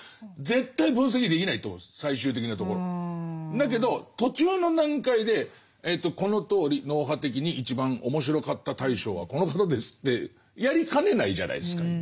だけど途中の段階でこのとおり脳波的に一番面白かった大賞はこの方ですってやりかねないじゃないですか。